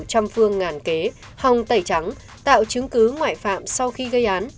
trăm phương ngàn kế hồng tẩy trắng tạo chứng cứ ngoại phạm sau khi gây án